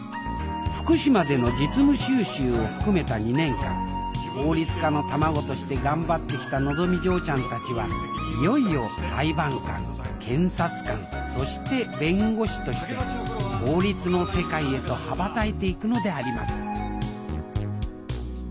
福島での実務修習を含めた２年間法律家の卵として頑張ってきたのぞみ嬢ちゃんたちはいよいよ裁判官検察官そして弁護士として法律の世界へと羽ばたいていくのであります